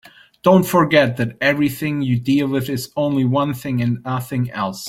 Don't forget that everything you deal with is only one thing and nothing else.